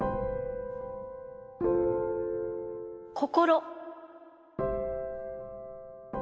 心。